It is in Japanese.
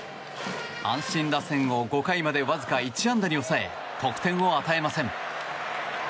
阪神打線を５回までわずか１安打に抑え得点を与えません。